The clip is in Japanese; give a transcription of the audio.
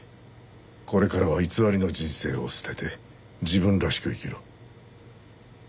これからは偽りの人生を捨てて自分らしく生きろ。